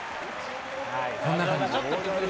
こんな感じ。